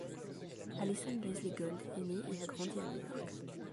Alison Leslie Gold est née et a grandi à New York.